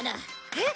えっ！